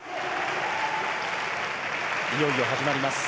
いよいよ始まります。